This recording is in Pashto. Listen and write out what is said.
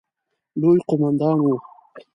لوی قوماندان وو.